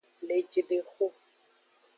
Lejidexo.